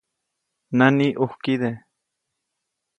¡Nani, ʼujkide!